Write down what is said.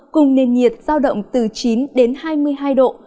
cùng nền nhiệt giao động từ chín đến hai mươi hai độ